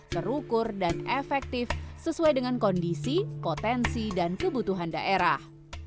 terukur dan efektif sesuai dengan kondisi potensi dan kebutuhan daerah